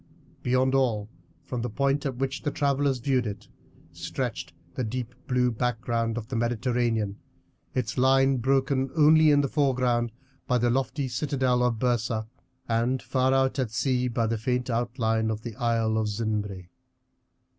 Beyond all, from the point at which the travellers viewed it, stretched the deep blue background of the Mediterranean, its line broken only in the foreground by the lofty citadel of Byrsa, and far out at sea by the faint outline of the Isle of Zinbre.